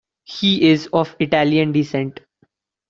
He is of Italian descent.